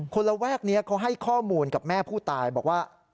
ระแวกนี้เขาให้ข้อมูลกับแม่ผู้ตายบอกว่า